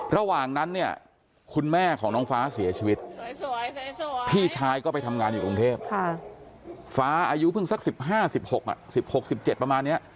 ระหว่างนั้นเนี่ยคุณแม่ของน้องฟ้าเสียชีวิตพี่ชายก็ไปทำงานอยู่กรงเทพฟ้าอายุเพิ่งสักสิบห้าสิบหกสิบหกสิบเจ็ดประมาณเนี้ย